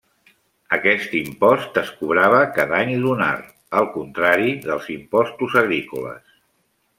Aquest impost es cobrava cada any lunar, al contrari dels impostos agrícoles.